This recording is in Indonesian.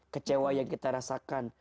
kecewa yang kita rasakan